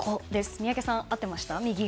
宮家さん、合ってました？